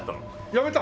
やめた？